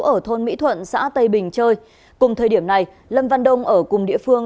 ở thôn mỹ thuận xã tây bình chơi cùng thời điểm này lâm văn đông ở cùng địa phương